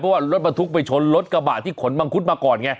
เพราะว่ารถบรรทุกไปชนรถกระบาดที่ขนมังคุดมาก่อนไง